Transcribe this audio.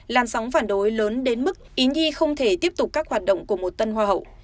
làn sóng phản đối lớn đến mức ý nhi không thể tiếp tục các hoạt động của một tân hoa hậu